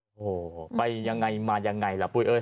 โอ้โหไปยังไงมายังไงล่ะปุ้ยเอิ้น